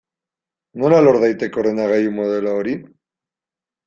Nola lor daiteke ordenagailu modelo hori?